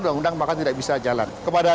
undang undang maka tidak bisa jalan kepada